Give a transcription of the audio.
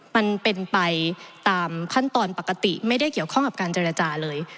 มันเป็นไปตามขั้นตอนปกติไม่ได้เกี่ยวข้องกับการเจรจาเลย